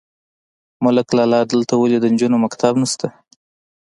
_ملک لالا! دلته ولې د نجونو مکتب نشته؟